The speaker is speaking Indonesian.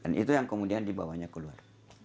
dan itu yang kemudian dibawanya keluar